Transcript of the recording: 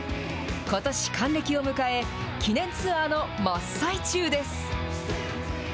ことし還暦を迎え、記念ツアーの真っ最中です。